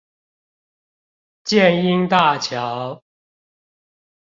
箭瑛大橋